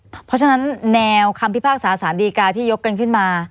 เพราะฉะนั้นแนวคำพิพากษาสารดีกาที่ยกกันขึ้นมา